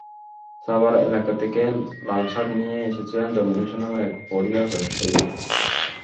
সাভার এলাকা থেকে লালশাক নিয়ে এসেছিলেন জমির হোসেন নামের এক ফড়িয়া ব্যবসায়ী।